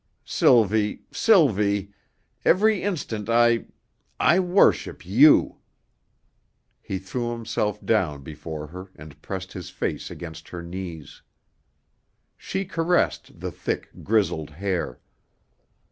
Sylvie, Sylvie! Every instant I I worship you!" He threw himself down before her and pressed his face against her knees. She caressed the thick, grizzled hair.